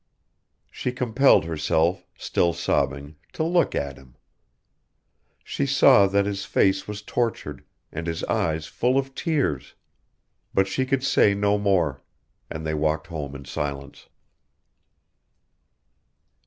She compelled herself, still sobbing, to look at him. She saw that his face was tortured, and his eyes full of tears. But she could say no more, and they walked home in silence.